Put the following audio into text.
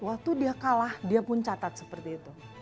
waktu dia kalah dia pun catat seperti itu